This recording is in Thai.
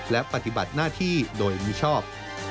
และปฏิบัติหน้าที่โดยมิชอบ